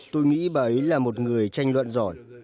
tôi nghĩ bà ấy là một người tranh luận giỏi